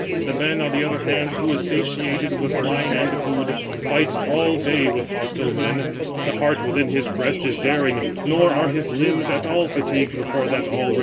The man, on the other hand, who is satiated with wine and food, fights all day with hostile men, the heart within his breast is daring, nor are his limbs at all fatigued before that all retire from battle.